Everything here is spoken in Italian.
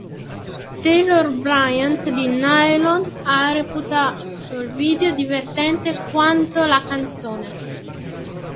Taylor Bryant di "Nylon" ha reputato il video “divertente quanto la canzone”.